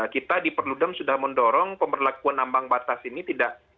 kita di perludem sudah mendorong pemberlakuan ambang batas ini tidak